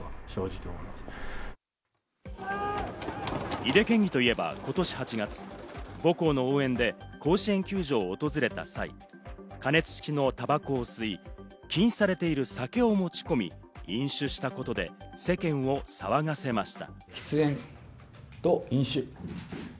井手県議といえば今年８月、母校の応援で甲子園球場を訪れた際、加熱式のたばこを吸い、禁止されている酒を持ち込み、飲酒したことで世間を騒がせました。